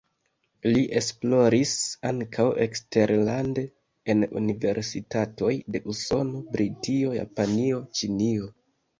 Li esploris ankaŭ eksterlande en universitatoj de Usono, Britio, Japanio, Ĉinio.